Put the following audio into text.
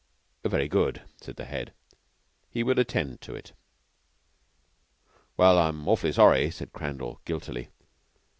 Very good, said the Head, he would attend to it. "Well, I'm awf'ly sorry," said Crandall guiltily.